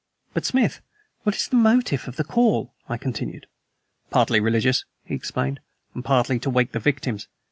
"But, Smith, what is the motive of the Call?" I continued. "Partly religious," he explained, "and partly to wake the victims!